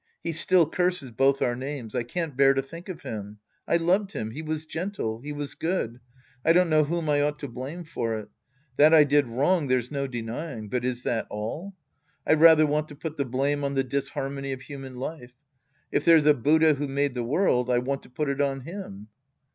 He still curses both our names. I can't bear to think of him. I loved him. He was gentle. He was good. I don't know whom I ought to blame for it. That I did wi^ong, there's no denying. But is that all ? I ratlier want to put the blame on the disharmony of human life. If there's a Buddha who made the world, I want to put it on him.